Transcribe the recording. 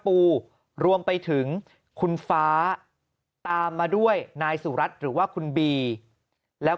ปูรวมไปถึงคุณฟ้าตามมาด้วยนายสุรัตน์หรือว่าคุณบีแล้ว